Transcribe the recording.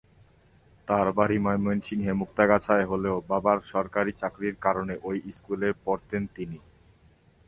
তার বাড়ি ময়মনসিংহের মুক্তাগাছায় হলেও বাবার সরকারি চাকরির কারণে ওই স্কুলে পড়তেন তিনি।